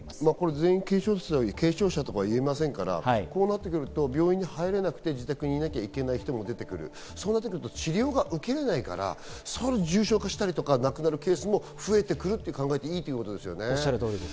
全員軽症者とは言えないので、こうなってくると病院に入れなくて自宅にいなければいけない人も出てくる、治療が受けられないから、さらに重症化したり亡くなるケースも増えてくると考えていいということですね。